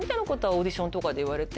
オーディションとかで言われて。